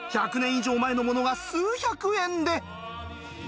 １００年以上前のものが数百円で！